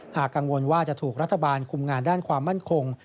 หากกังวลว่าจะถูกรัฐบาลคุมงานด้านความมั่นคง